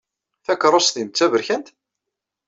Takeṛṛust-nnem d taberkant?